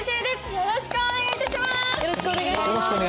よろしくお願いします。